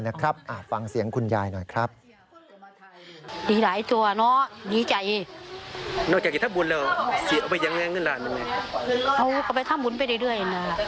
ไม่ไม่ได้แบ่งให้ไปไม่ได้ที่ไปทำบุญ